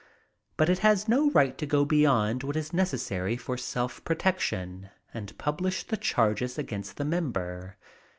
But it has no right to go beyond what is necessary for self protection and publish the charges against the member.